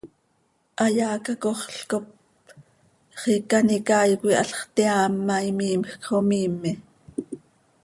Hayaa cacoxl cop xiica an icaai coi halx teaam ma, imiimjc xo miime.